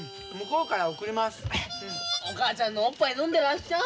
お母ちゃんのオッパイ飲んでらっしゃい。